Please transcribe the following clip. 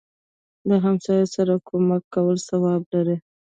دهمسایه سره کومک کول ثواب لري